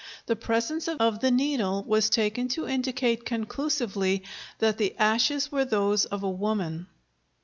The presence of the needle was taken to indicate conclusively that the ashes were those of a woman.